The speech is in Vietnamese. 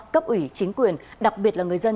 cấp ủy chính quyền đặc biệt là người dân